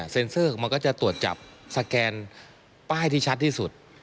เซอร์ของมันก็จะตรวจจับสแกนป้ายที่ชัดที่สุด